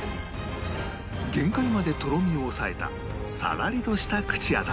限界までとろみを抑えたサラリとした口当たり